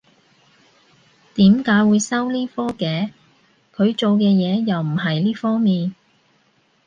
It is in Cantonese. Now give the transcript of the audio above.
點解會收呢科嘅？佢做嘅嘢又唔係呢方面